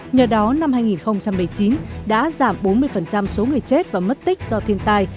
nhờ đó năm hai nghìn một mươi chín đã giảm bốn mươi số người chết và mất tích do thiên tai